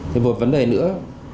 thế vừa vấn đề nữa